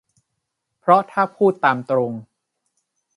เพราะถ้าพูดตามตรง